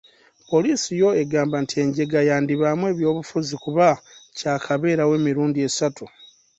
Poliisi yo egamba nti enjega yandibaamu ebyobufuzi kuba kyakabeerawo emirundi esatu.